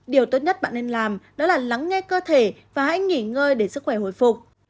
điều tốt nhất bạn nên làm đó là lắng nghe cơ thể và hãy nghỉ ngơi để sức khỏe hồi phục